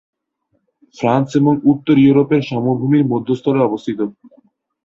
France এবং উত্তর ইউরোপের সমভূমির মধ্যস্থলে অবস্থিত।